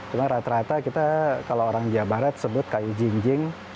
cuma rata rata kita kalau orang jawa barat sebut kayu jinjing